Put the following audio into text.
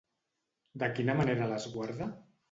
De quina manera l'esguarda?